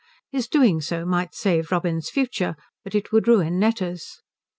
His doing so might save Robin's future, but it would ruin Netta's.